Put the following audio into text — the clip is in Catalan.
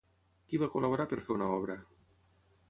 Qui va col·laborar per fer una obra?